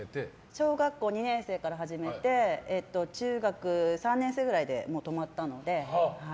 小学校２年生から始めて中学３年生くらいで止まったので。